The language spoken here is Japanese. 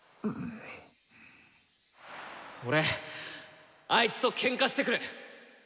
俺あいつとケンカしてくる！